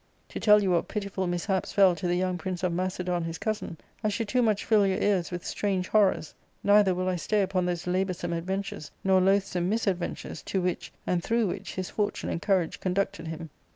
To tell you what pitiful mishaps fell to the young prince of Macedon his cousin, I should too much fill your ears with strange horrors ; neither will I stay upon those laboursome adventures, nor loathsome misadventures, to which and through which his fortune and courage conducted him.